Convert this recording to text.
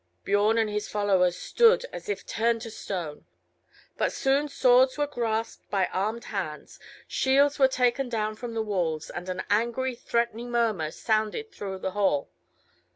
Biorn and his followers stood as if turned to stone. But soon swords were grasped by armed hands, shields were taken down from the walls, and an angry, threatening murmur sounded through the hall.